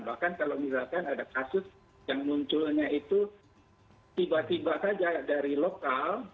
bahkan kalau misalkan ada kasus yang munculnya itu tiba tiba saja dari lokal